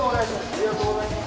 ありがとうございます。